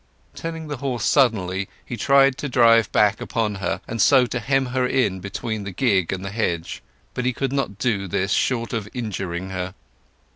Turning the horse suddenly he tried to drive back upon her, and so hem her in between the gig and the hedge. But he could not do this short of injuring her.